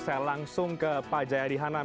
saya langsung ke pak jayadi hanan